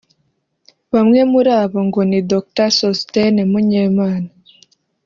Bamwe muri abo ngo ni Dr Sosthène Munyemana